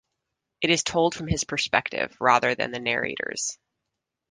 It is told from his perspective rather than the narrator's.